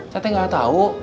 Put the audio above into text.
saya teh nggak tahu